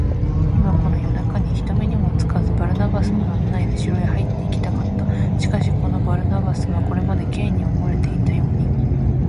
今、この夜なかに、人目にもつかず、バルナバスの案内で城へ入っていきたかった。しかし、そのバルナバスは、これまで Ｋ に思われていたように、